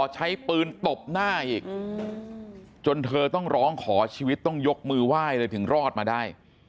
ใช้ปืนตบหน้าอีกจนเธอต้องร้องขอชีวิตต้องยกมือไหว้เลยถึงรอดมาได้